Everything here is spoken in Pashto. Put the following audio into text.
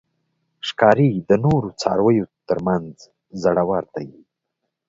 ښکاري د نورو څارویو تر منځ زړور دی.